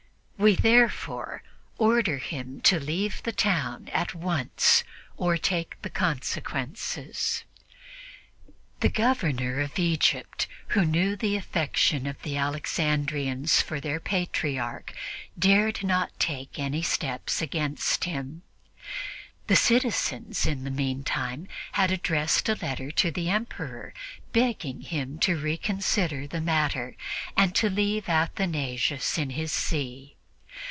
We therefore order him to leave the town at once or take the consequences." The Governor of Egypt, who knew the affection of the Alexandrians for their Patriarch, dared not take any steps against him; the citizens in the meantime had addressed a letter to the Emperor, begging him to reconsider the matter and to leave Athanasius in his see.